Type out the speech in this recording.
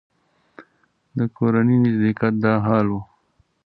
د کورني نږدېکت دا حال و.